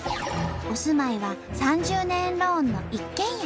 お住まいは３０年ローンの一軒家。